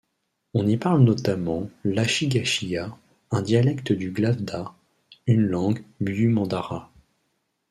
On y parle notamment l'ashigashiya, un dialecte du glavda, une langue biu-mandara.